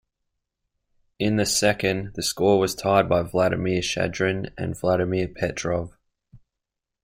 In the second the score was tied by Vladimir Shadrin and Vladimir Petrov.